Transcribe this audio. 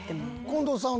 近藤さん